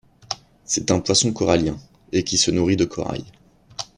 C'est un poisson corallien, et qui se nourrit de corail.